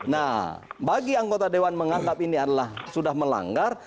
nah bagi anggota dewan menganggap ini adalah sudah melanggar